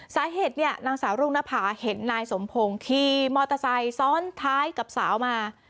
สาเหตุเนี่ยนางสาวรุ่งนภาเห็นนายสมพงศ์ขี่มอเตอร์ไซค์ซ้อนท้ายกับสาวมา